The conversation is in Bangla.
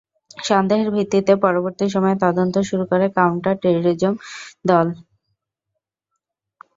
সন্দেহের ভিত্তিতে পরবর্তী সময়ে তদন্ত শুরু করে কাউন্টার টেররিজম দল।